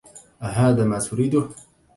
أهذا ما تريده؟